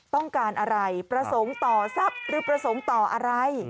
ต้องการอะไรประสงค์ต่อทรัพย์หรือประสงค์ต่ออะไร